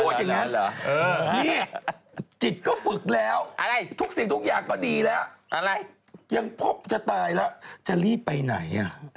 นี่จิตก็ฝึกแล้วทุกสิ่งทุกอย่างก็ดีแล้วยังพบจะตายแล้วจะรีบไปไหน